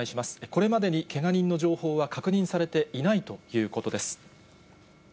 これまでにけが人の情報は確認されていないということです。